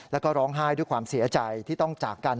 แล้วก็ร้องไห้ด้วยความเสียใจที่ต้องจากกัน